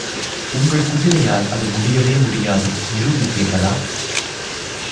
உங்கள் குதிரையால் அது முடியவே முடியாது நிரூபிப்பீர்களா?